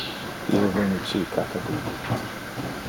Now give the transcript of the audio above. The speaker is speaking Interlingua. Io veni ci cata die.